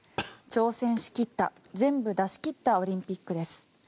挑戦しきった全部出し切ったオリンピックです。